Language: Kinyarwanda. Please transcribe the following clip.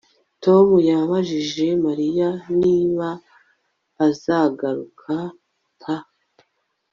Tom yabajije Mariya nib azagaruka ра